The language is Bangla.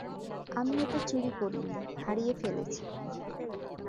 আমি ওটা চুরি করিনি, হারিয়ে ফেলেছি।